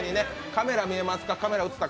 カメラ見えますか？